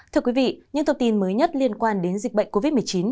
thưa quý vị những thông tin mới nhất liên quan đến dịch bệnh covid một mươi chín